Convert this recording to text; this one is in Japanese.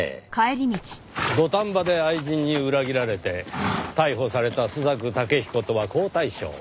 土壇場で愛人に裏切られて逮捕された朱雀武比古とは好対照。